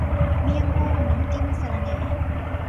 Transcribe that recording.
เมี่ยงกุ้ง น้ำจิ้มสะระแหน่